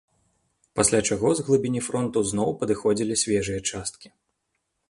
Пасля чаго з глыбіні фронту зноў падыходзілі свежыя часткі.